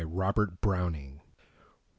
Robert Browning 668.